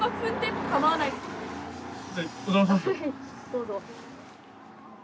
どうぞ。